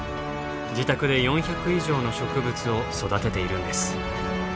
自宅で４００以上の植物を育てているんです。